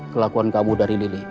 kelakuan kamu dari lili